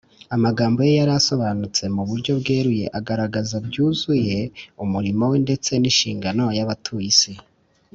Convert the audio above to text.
Amagambo Ye yari asobanutse mu buryo bweruye agaragaza byuzuye umurimo We ndetse n’inshingano y’abatuye isi